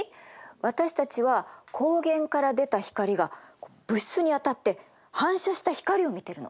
私たちは光源から出た光が物質に当たって反射した光を見てるの。